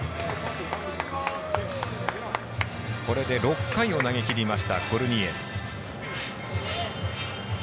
これで６回を投げきりましたコルニエル。